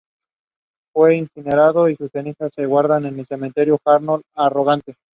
Fue incinerado, y sus cenizas se guardan en el Cementerio Harlow de Harrogate.